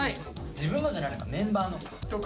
自分のじゃないのかメンバーのか。